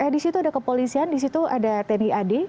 di situ ada kepolisian di situ ada tniad